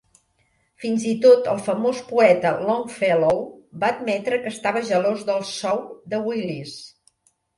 Fins i tot el famós poeta Longfellow va admetre que estava gelós del sou de Willis.